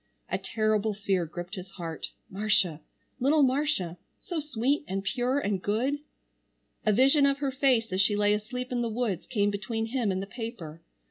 A terrible fear gripped his heart, Marcia, little Marcia, so sweet and pure and good. A vision of her face as she lay asleep in the woods came between him and the paper.